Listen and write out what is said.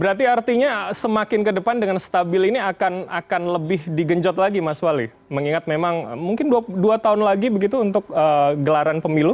berarti artinya semakin ke depan dengan stabil ini akan lebih digenjot lagi mas wali mengingat memang mungkin dua tahun lagi begitu untuk gelaran pemilu